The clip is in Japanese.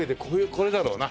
これだろうな。